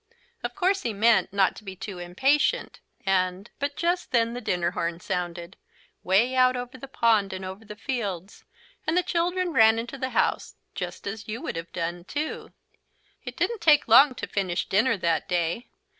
Of course he meant not to be too impatient and but just then the dinner horn sounded, way out over the pond and over the fields, and the children ran into the house, just as you would have done too. It didn't take long to finish dinner that day.